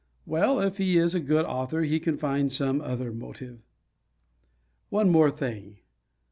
Well, if he is a good author he can find some other motive. One more thing.